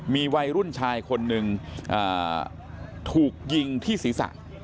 มีวัยรุ่นชายคนหนึ่งถูกยิงที่ศีรษะ